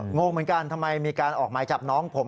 งงเหมือนกันทำไมมีการออกหมายจับน้องผม